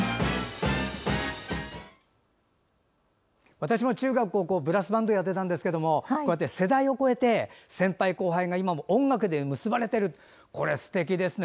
私も中学、高校ブラスバンドやっていたんですけどもこうやって世代を超えて先輩、後輩が今も音楽で結ばれているすてきですね。